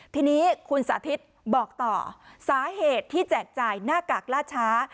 ทีนี้คุณสาธิตบอกต่อสาเหตุที่แจกจ่ายหน้ากากล่าช้า